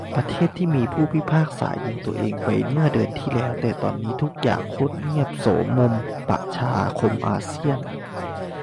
ประเทศที่มี ผู้พิพากษายิงตัวเอง ไปเมื่อเดือนที่แล้ว แต่ตอนนี้ทุกอย่างโคตรเงียบ โสมมประชาคมอาเซียน